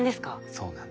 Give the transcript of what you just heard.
そうなんです。